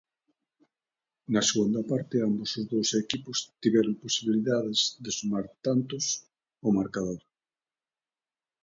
Na segunda parte ambos os dous equipos tiveron posibilidades de sumar tantos ao marcador.